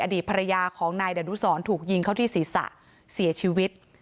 อดีตภรรยาของนายดานุสรถูกยิงเข้าที่ศีรษะเสียชีวิต